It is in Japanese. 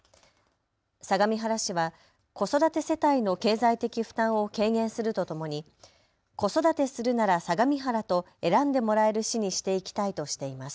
相模原市は子育て世帯の経済的負担を軽減するとともに子育てするなら相模原と選んでもらえる市にしていきたいとしています。